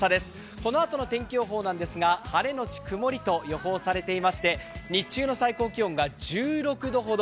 このあとの天気予報なんですが、晴れのち曇りと予報されていて日中の最高気温が１６度ほど。